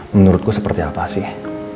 menurut gue seperti apa sih